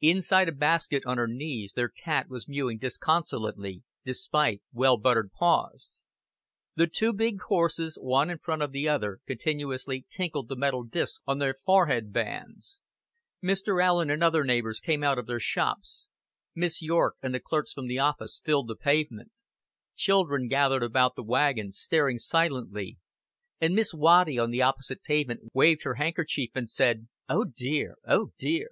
Inside a basket on her knees their cat was mewing disconsolately, despite well buttered paws. The two big horses, one in front of the other, continuously tinkled the metal disks on their forehead bands; Mr. Allen and other neighbors came out of their shops; Miss Yorke and the clerks from the office filled the pavement; children gathered about the wagon staring silently, and Miss Waddy on the opposite pavement waved her handkerchief and said "Oh, dear! oh, dear!"